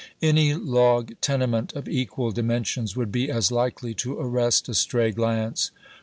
Any log tenement of equal di mensions would be as likely to arrest a stray glance.